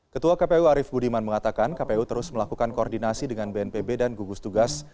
ketua kpu arief budiman mengatakan kpu terus melakukan koordinasi dengan bnpb dan gugus tugas